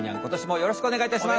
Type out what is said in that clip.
よろしくお願いします。